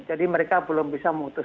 jadi mereka belum bisa memperoleh apa apa